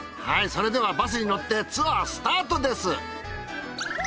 はいそれではバスに乗ってツアースタートです。